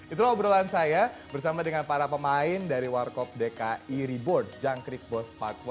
itu obrolan saya bersama dengan para pemain dari warcop dki reborn junk reef boss part satu